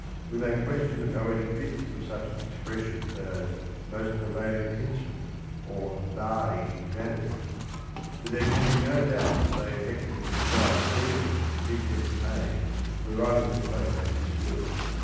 We may question the poetic fitness of such expressions as " most prevailing tinsel," or " baaing vanities," but there can be no doubt that they effectively describe the feeling that Keats entertained for the writings of Pope and his school.